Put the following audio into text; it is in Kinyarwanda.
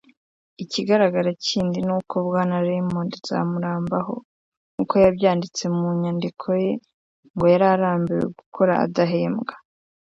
Ikigaragara kindi n’uko Bwana Raymond Nzamurambaho nk’uko yabyanditse mu nyandiko ye ngo yari arambiwe gukora adahembwa